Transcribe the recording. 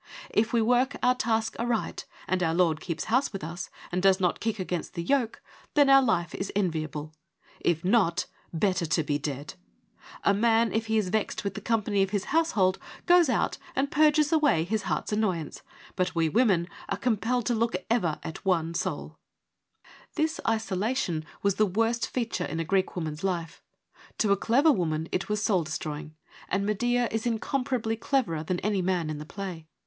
If we work our task aright, and our lord keeps house with us, and does not kick against the yoke, then our life is enviable. If not — better to be dead. A man, if he is vexed with the company of his household, goes out and purges away his heart's annoyance ; but we women are compelled to look ever at one soul.' THE FOUR FEMINIST PLAYS 113 This isolation was the worst feature in a Greek woman's life : to a clever woman it was soul destroy ing, and Medea is incomparably cleverer than any man in the play.